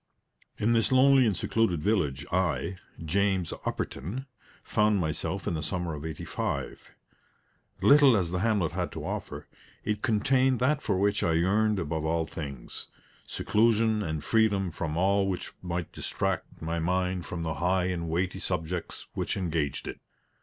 In this lonely and secluded village, I, James Upperton, found myself in the summer of '85. Little as the hamlet had to offer, it contained that for which I yearned above all things seclusion and freedom from all which might distract my mind from the high and weighty subjects which engaged it.